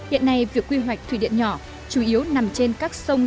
hiện nay việc quy hoạch thủy điện nhỏ chủ yếu nằm trên các sông